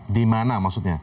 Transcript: di mana maksudnya